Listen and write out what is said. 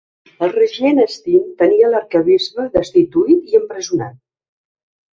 El regent Sten tenia l'arquebisbe destituït i empresonat.